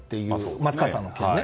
松川さんの件ね。